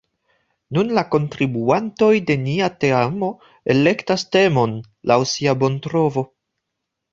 Nun la kontribuantoj de nia teamo elektas temon laŭ sia bontrovo.